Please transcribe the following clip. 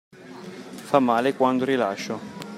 Fa male quando rilascio